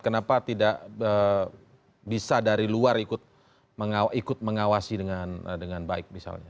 kenapa tidak bisa dari luar ikut mengawasi dengan baik misalnya